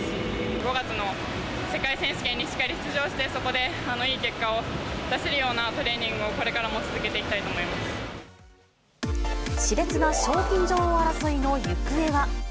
５月の世界選手権にしっかり出場して、そこでいい結果を出せるようなトレーニングをこれからも続けていきたいと思います。